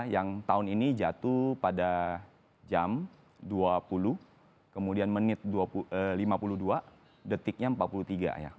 yang tahun ini jatuh pada jam dua puluh kemudian menit lima puluh dua detiknya empat puluh tiga